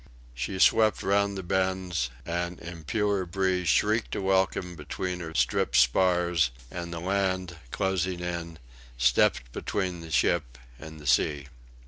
She swept round the bends; an impure breeze shrieked a welcome between her stripped spars; and the land, closing in, stepped between the ship and the sea.